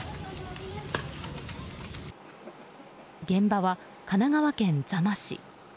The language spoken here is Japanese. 現場は神奈川県座間市。